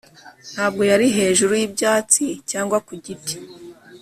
ntabwo yari hejuru y'ibyatsi, cyangwa ku giti;